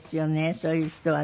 そういう人はね。